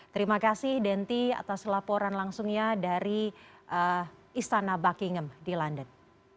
terima kasih denti atas laporan langsungnya dari istana buckingham di london